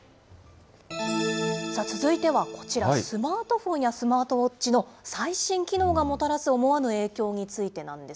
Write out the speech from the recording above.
続いてはこちら、スマートフォンやスマートウォッチの最新機能がもたらす思わぬ影響についてなんです。